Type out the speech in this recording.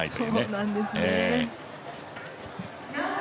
そうなんですね。